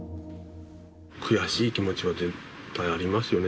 悔しい気持ちは絶対ありますよね。